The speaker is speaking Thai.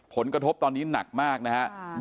ผลกระทบตอนนี้หนักมากนะครับ